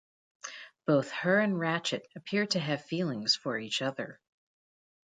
Both her and Ratchet appear to have feelings for each other.